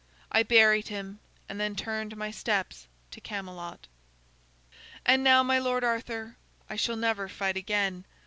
I buried him and then turned my steps to Camelot. "And now, my lord Arthur, I shall never fight again.